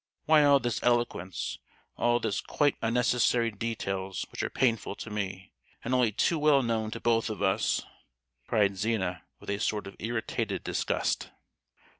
Why all this eloquence, all these quite unnecessary details, which are painful to me, and only too well known to both of us?" cried Zina with a sort of irritated disgust.